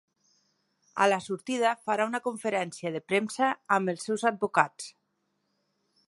A la sortida, farà una conferència de premsa amb els seus advocats.